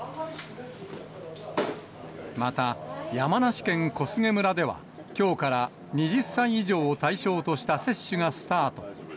また山梨県小菅村では、きょうから２０歳以上を対象とした接種がスタート。